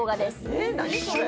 え何それ！？